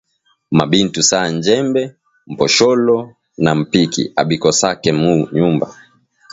Ma bintu saa njembe, mposholo, na mpiki abikosake mu nyumba